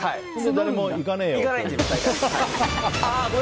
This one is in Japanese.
誰も行かねえよって？